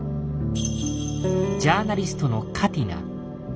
ジャーナリストのカティナ。